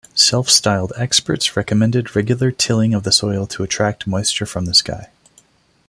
Self-styled experts recommended regular tilling of the soil to "attract" moisture from the sky.